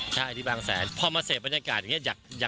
ใช่ที่บางแสนพอมาเสพบรรยากาศอย่างนี้